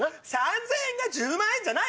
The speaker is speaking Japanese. ３０００円が１０万円じゃない！